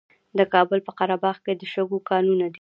د کابل په قره باغ کې د شګو کانونه دي.